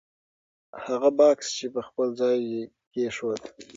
هغه بکس په خپل ځای کېښود.